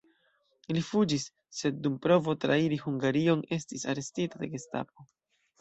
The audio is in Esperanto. Li fuĝis, sed dum provo trairi Hungarion estis arestita de Gestapo.